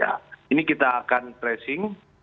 ya ini kita akan tracing